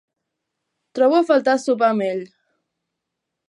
Trobo a faltar sopar amb ell.